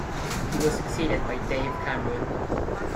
He was succeeded by Dave Cameron.